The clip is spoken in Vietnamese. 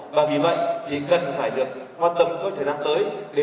và vì vậy thì cần phải được hoàn tâm với thời gian tới để làm theo cái quy hoạch